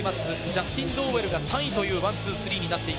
ジャスティン・ドーウェルが３位というワンツースリーです。